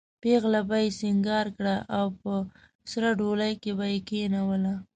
پېغله به یې سینګاره کړه او په سره ډولۍ کې به یې کېنوله.